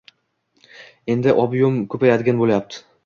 Endi ob’yom ko‘payadigan bo‘lyapti.